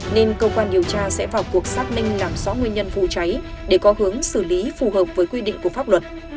nên cơ quan điều tra sẽ vào cuộc xác minh làm rõ nguyên nhân vụ cháy để có hướng xử lý phù hợp với quy định của pháp luật